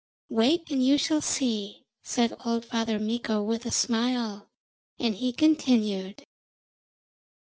'Wait and you shall see,' said old Father Mikko with a smile; and he continued.